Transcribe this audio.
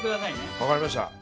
分かりました。